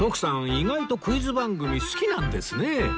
意外とクイズ番組好きなんですね